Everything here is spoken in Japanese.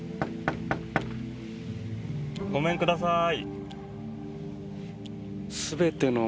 ごめんください。